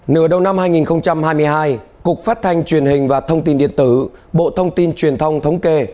nửa đầu năm hai nghìn hai mươi hai cục phát thanh truyền hình và thông tin điện tử bộ thông tin truyền thông thống kê